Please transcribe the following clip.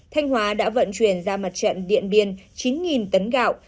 thanh hóa đã vận chuyển ra mặt trận điện biên chín tấn gạo